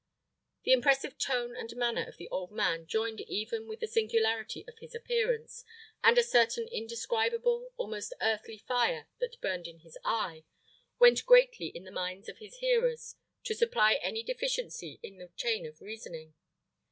The impressive tone and manner of the old man, joined even with the singularity of his appearance, and a certain indescribable, almost unearthly fire, that burned in his eye, went greatly in the minds of his hearers to supply any deficiency in the chain of his reasoning.